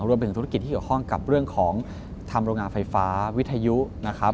รวมถึงธุรกิจที่เกี่ยวข้องกับเรื่องของทำโรงงานไฟฟ้าวิทยุนะครับ